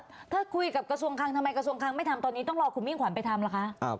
ถ้าคุยกับกระทรวงคลังทำไมกระทรวงคลังไม่ทำตอนนี้ต้องรอคุณมิ่งขวัญไปทำล่ะคะ